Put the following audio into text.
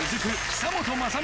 久本雅美